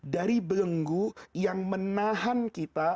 dari belenggu yang menahan kita